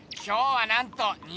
今日はなんと！